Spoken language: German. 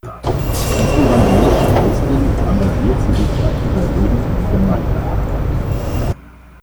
Als evangelische Christin engagiert sie sich seit ihrer Jugend in der Gemeindearbeit.